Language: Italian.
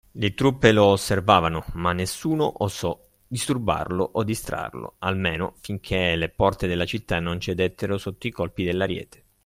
Le truppe lo osservavano, ma nessuno osò disturbarlo o distrarlo, almeno finché le porte della città non cedettero sotto i colpi dell’ariete.